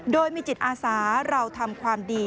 โดยมีจิตอาสาเราทำความดี